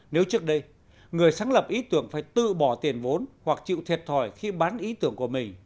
nếu trước đây người sáng lập ý tưởng phải tự bỏ tiền vốn hoặc chịu thiệt thòi khi bán ý tưởng của mình